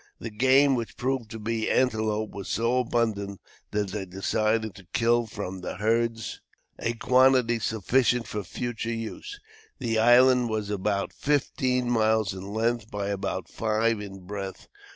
The game, which proved to be antelope, was so abundant that they decided to kill from the herds a quantity sufficient for future use. The island was about fifteen miles in length by about five in breadth.